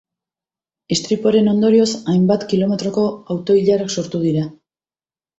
Istripuaren ondorioz, hainbat kilometroko auto-ilarak sortu dira.